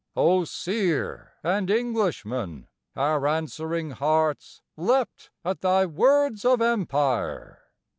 O seer and Englishman, our answering hearts Leapt at thy words of empire!